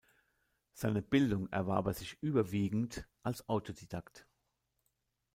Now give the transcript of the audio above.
Seine Bildung erwarb er sich überwiegend als Autodidakt.